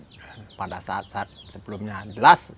nah pada saat saat sebelumnya jelas